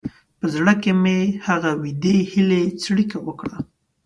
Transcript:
په زړه کې مې هغه وېډې هیلې څړیکه وکړه.